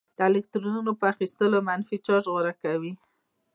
د الکترونونو په اخیستلو منفي چارج غوره کوي.